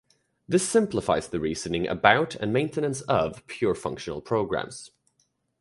This simplifies the reasoning about and maintenance of pure functional programs.